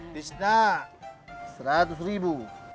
tisna seratus ribu